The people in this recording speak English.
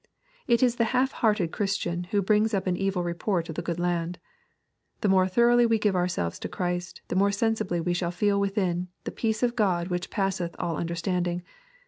It is the half hearted Chris tian who brings up an evil report of the good land. The more thoroughly we give ourselves to Christ, the more sensibly shall we feel within " the peace of God which passeth all understanding."